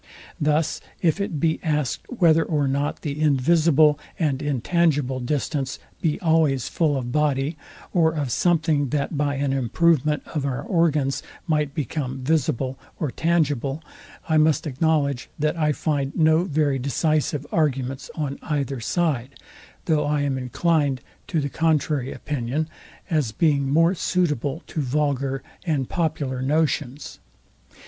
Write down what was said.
Thus if it be asked, whether or not the invisible and intangible distance be always full of body, or of something that by an improvement of our organs might become visible or tangible, I must acknowledge, that I find no very decisive arguments on either side; though I am inclined to the contrary opinion, as being more suitable to vulgar and popular notions.